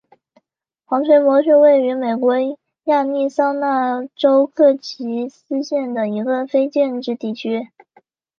黄锤磨是位于美国亚利桑那州科奇斯县的一个非建制地区。